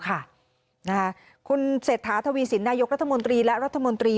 คุณเศรษฐาทวีสินนายกรัฐมนตรีและรัฐมนตรี